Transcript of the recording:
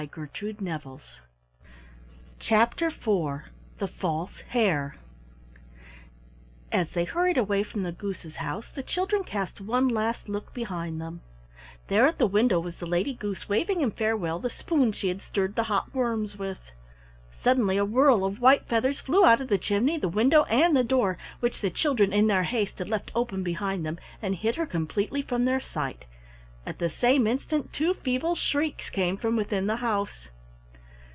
CHAPTER IV THE FALSE HARE As they hurried away from the Goose's house, the children cast one last look behind them. There at the window was the Lady Goose waving in farewell the spoon she had stirred the hot worms with. Suddenly a whirl of white feathers flew out of the chimney, the window and the door, which the children in their haste had left open behind them, and hid her completely from their sight. At the same instant two feeble shrieks came from within the house.